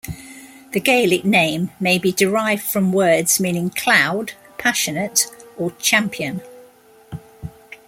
The Gaelic name may be derived from words meaning "cloud", "passionate", or "champion".